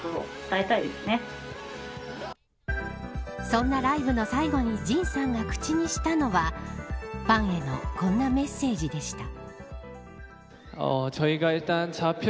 そんなライブの最後にＪＩＮさんが口にしたのはファンへのこんなメッセージでした。